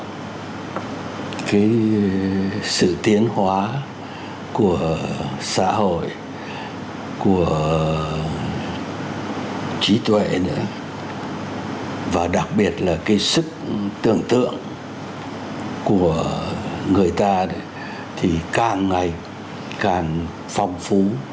cái sự tiến hóa của xã hội của trí tuệ nữa và đặc biệt là cái sức tưởng tượng của người ta thì càng ngày càng phong phú